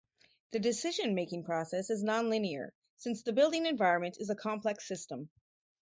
The decision-making process is non-linear, since the building environment is a complex system.